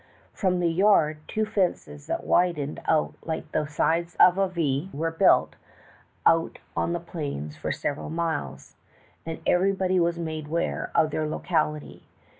From the yard 238 THE TALKING HANDKERCHIEF. two fences that widened out like the sides of a V were built out on the plain for several miles, and everybody was made aware of their locality.